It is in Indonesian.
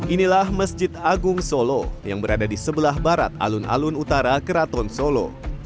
inilah masjid agung solo yang berada di sebelah barat alun alun utara keraton solo